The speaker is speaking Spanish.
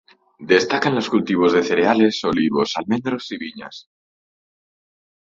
Destacan los cultivos de cereales, olivos, almendros y viñas.